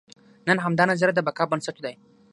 نن همدا نظریه د بقا بنسټ دی.